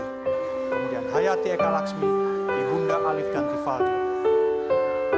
kemudian hayati eka laxmi ibunda alif dan tifaldi